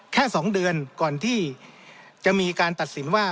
แค่๒เดือนก่อนที่จะมีการตัดสินว่า